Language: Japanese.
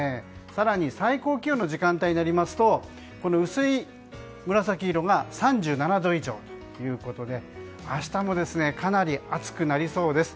更に最高気温の時間帯になりますと薄い紫色が３７度以上で明日もかなり暑くなりそうです。